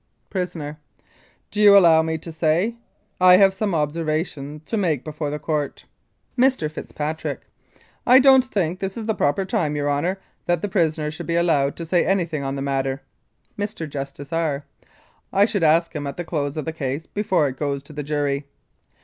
PRISONER: Do you allow me to say? I have some observation to make before the Court. Mr. FITZPATRICK: I don't think this is the proper time, your Honour, that the prisoner should be allowed to say anything on the matter. Mr. JUSTICE R. : I should ask him at the close of the case, before it goes to the jury.